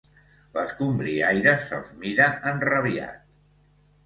L'escombriaire se'ls mira, enrabiat.